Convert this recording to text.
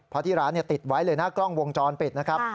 เพราะที่ร้านติดไว้เลยนะกล้องวงจรปิดนะครับ